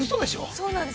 ◆そうなんです。